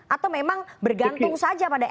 atau memang bergantung saja pada